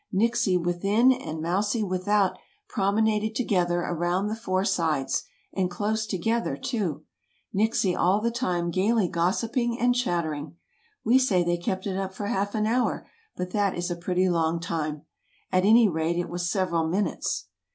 Nixie within and Mousie without promenaded together around the four sides; and close together, too, Nixie all the time gayly gossiping and chattering. We say they kept it up for half an hour, but that is a pretty long time. At any rate it was several minutes.